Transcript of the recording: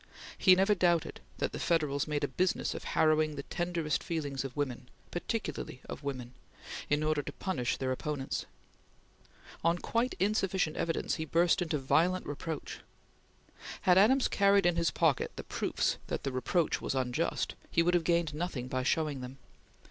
He never doubted that the Federals made a business of harrowing the tenderest feelings of women particularly of women in order to punish their opponents. On quite insufficient evidence he burst into violent reproach. Had Adams carried in his pocket the proofs that the reproach was unjust, he would have gained nothing by showing them.